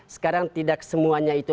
sekarang tidak semuanya itu